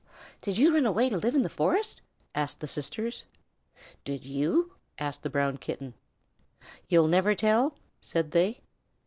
"Did you run away to live in the forest?" asked the sisters. "Did you?" asked the Brown Kitten. "You'll never tell?" said they.